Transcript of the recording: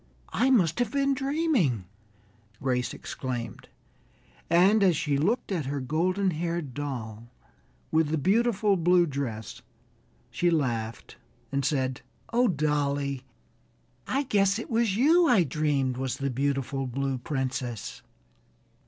"I must have been dreaming," Grace exclaimed, and as she looked at her golden haired doll, with the beautiful blue dress, she laughed and said: "Oh, dolly, I guess it was you I dreamed was the beautiful Blue Princess!"